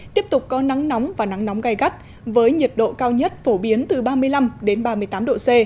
tiếp tục có nắng nóng và nắng nóng gai gắt với nhiệt độ cao nhất phổ biến từ ba mươi năm ba mươi tám độ c